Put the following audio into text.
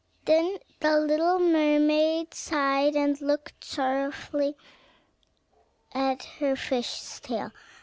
Then the little mermaid sighed, and looked sorrowfully at her fish's tail.